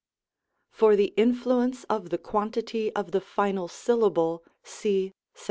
For the influence of the quantity of the final syllable, see §9.